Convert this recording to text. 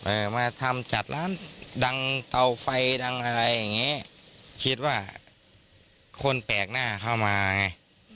มาทำจัดร้านดังเตาไฟดังอะไรอย่างงี้คิดว่าคนแปลกหน้าเข้ามาไง